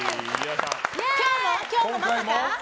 今日もまさか？